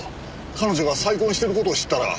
彼女が再婚してる事を知ったら。